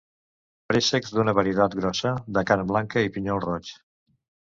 Préssecs d'una varietat grossa, de carn blanca i pinyol roig.